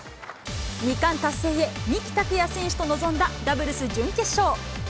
２冠達成へ、三木拓也選手と臨んだダブルス準決勝。